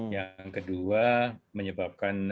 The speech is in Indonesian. yang kedua menyebabkan